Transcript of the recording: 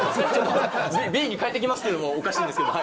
Ｂに変えてきますっていうのもおかしいですけども。